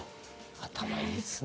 頭いいっすね。